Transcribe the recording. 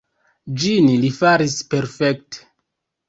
Ĝin li faris perfekte.